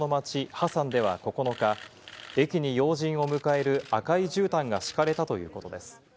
ハサンでは９日、駅に要人を迎える赤いじゅうたんが敷かれたということです。